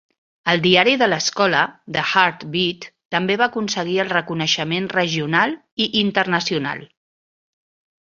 El diari de l'escola, The Heart Beat, també va aconseguir el reconeixement regional i internacional.